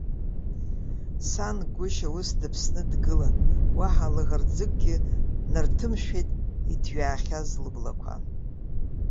Сан-гәышьа ус дыԥсны дгылан, уаҳа лаӷырӡыкгьы нарҭымшәеит иҭҩаахьаз лыблақәа.